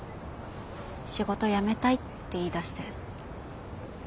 仕事辞めたいって言いだして。